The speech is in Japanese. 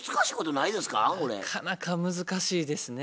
なかなか難しいですね。